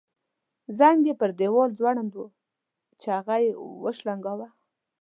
زنګ یې پر دیوال ځوړند وو چې هغه یې وشرنګاوه.